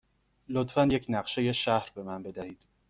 لطفاً یک نقشه شهر به من بدهید.